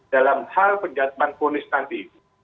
dalam hal penjatuhan ponis nanti itu